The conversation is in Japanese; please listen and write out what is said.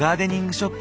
ショップ